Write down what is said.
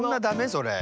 それ。